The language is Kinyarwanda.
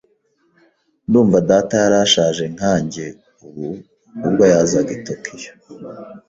Ndumva data yari ashaje nkanjye ubu ubwo yazaga i Tokiyo.